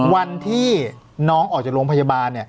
วันที่น้องออกจากโรงพยาบาล